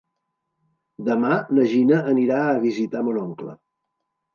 Demà na Gina anirà a visitar mon oncle.